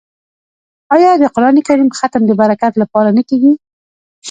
آیا د قران کریم ختم د برکت لپاره نه کیږي؟